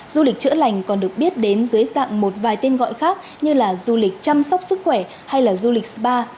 du lịch chữa lành còn được biết đến dưới dạng một vài tên gọi khác như là du lịch chăm sóc sức khỏe hay là du lịch spa